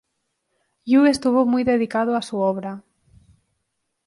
Yu estuvo muy dedicado a su obra.